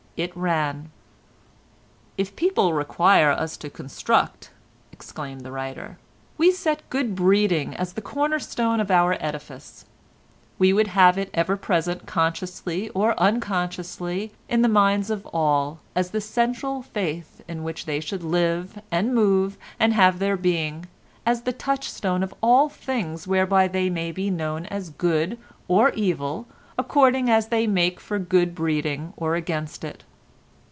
It ran:— "If people require us to construct," exclaimed the writer, "we set good breeding as the corner stone of our edifice. We would have it ever present consciously or unconsciously in the minds of all as the central faith in which they should live and move and have their being, as the touchstone of all things whereby they may be known as good or evil according as they make for good breeding or against it."